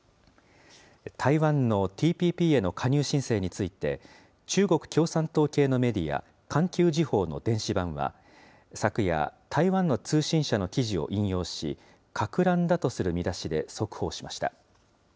台湾のＴＰＰへの加入申請について中国共産党系のメディア、環球時報の電子版は昨夜、台湾の通信社の記事を引用し、かく乱だとする見出しで速報しました。